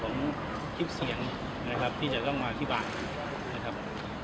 ของคลิปเสียงอะไรครับที่จะต้องมาที่บ้านนะครับ